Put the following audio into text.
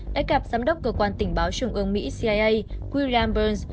đã gặp giám đốc cơ quan tình báo trưởng ứng mỹ cia william burns